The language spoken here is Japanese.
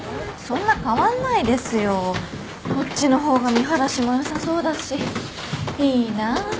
こっちの方が見晴らしも良さそうだしいいな。